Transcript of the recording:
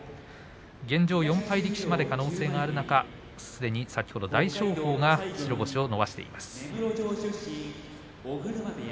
現状、４敗力士まで可能性がある中すでに先ほど大翔鵬が白星を伸ばしています。